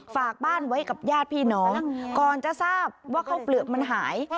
ฝากบ้านไว้กับญาติพี่น้องก่อนจะทราบว่าข้าวเปลือกมันหาย